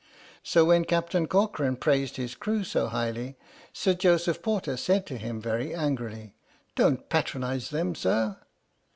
So when Captain Corcoran praised his crew so highly, Sir Joseph Porter said to him, very angrily: " Don't patronize them, sir.